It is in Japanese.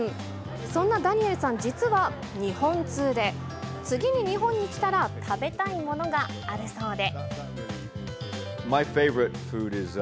そんなダニエルさん、実は日本通で、次に日本に来たら、食べたいものがあるそうで。